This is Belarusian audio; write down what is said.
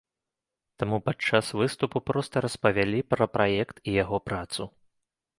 Таму падчас выступу проста распавялі пра праект і яго працу.